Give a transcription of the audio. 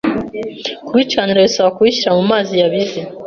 Kubicanira, bisaba kubishyira mu mazi yabize